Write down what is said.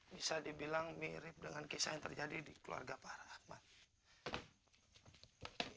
bisa dibilang mirip dengan kisah yang terjadi di keluarga pak rahmat